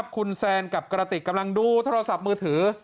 คุณแซนกับกระติกกำลังดูโทรศัพท์มือถือ